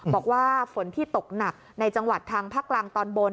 บอกว่าฝนที่ตกหนักในจังหวัดทางภาคกลางตอนบน